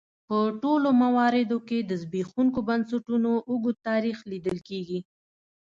په ټولو مواردو کې د زبېښونکو بنسټونو اوږد تاریخ لیدل کېږي.